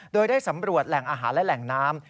โดยได้สำรวจแหล่งอาหารและแหล่งน้ำ